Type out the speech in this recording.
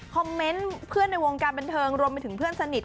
เมนต์เพื่อนในวงการบันเทิงรวมไปถึงเพื่อนสนิท